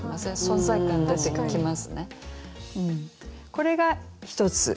これが一つです。